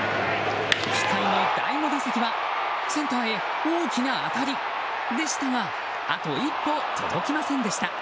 期待の第５打席はセンターへ大きな当たりでしたがあと一歩届きませんでした。